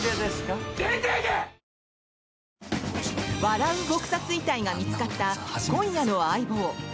笑う撲殺遺体が見つかった今夜の「相棒」。